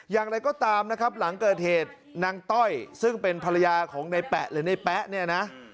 อย่างไรก็ตามนะครับหลังเกิดเหตุนางต้อยซึ่งเป็นภรรยาของในแปะหรือในแป๊ะเนี่ยนะ